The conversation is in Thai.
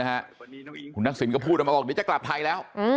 เมื่อช่วงเช้านะครับนักศิลป์ก็พูดมาบอกว่านี้จะกลับไทยแล้ว